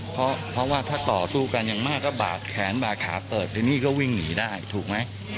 เพราะว่าถ้าต่อสู้กันอย่างมากก็บาดแขนบาดขาเปิดทีนี้ก็วิ่งหนีได้ถูกไหม